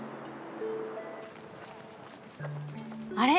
あれ？